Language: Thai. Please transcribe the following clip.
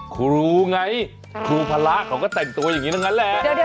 คู๋รู้ไงคูพระเขาก็แต่งตัวอย่างนี้นะเง็นแหละ